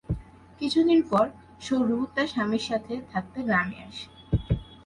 কিছুদিন পর সরু তার স্বামীর সাথে থাকতে গ্রামে আসে।